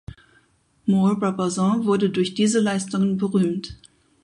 Moore-Brabazon wurde durch diese Leistungen berühmt.